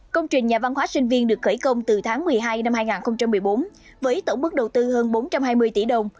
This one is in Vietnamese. công trình nhà văn hóa sinh viên được khởi công từ tháng một mươi hai năm hai nghìn một mươi bốn với tổng mức đầu tư hơn bốn trăm hai mươi tỷ đồng